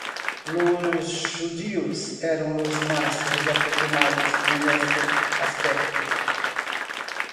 Los judíos eran los más desafortunados en este aspecto.